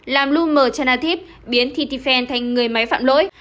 làm lưu mờ trana thip biến thiti phen thành người máy phạm lỗi